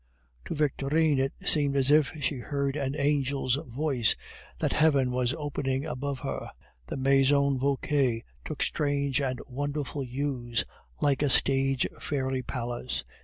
To Victorine it seemed as if she heard an angel's voice, that heaven was opening above her; the Maison Vauquer took strange and wonderful hues, like a stage fairy palace.